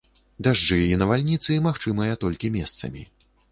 Дажджы і навальніцы магчымыя толькі месцамі.